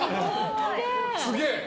すげえ！